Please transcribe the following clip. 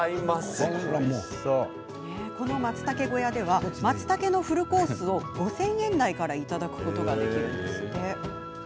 このまつたけ小屋ではまつたけのフルコースを５０００円台からいただくことができるんです。